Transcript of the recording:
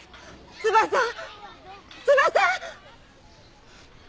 翼翼。